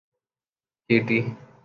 Haiti